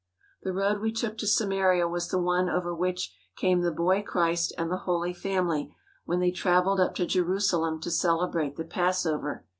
The road we took to Samaria was the one over which came the boy Christ and the Holy Family when they travelled up to Jerusalem to celebrate the Passover.